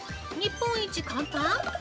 日本一簡単！？